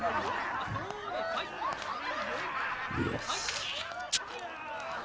よし。